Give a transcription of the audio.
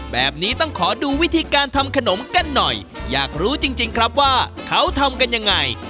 แบบนี้ต้องขอดูวิธีการทำขนมกันหน่อยอยากรู้จริงครับว่าเขาทำกันยังไง